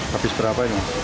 habis berapa ini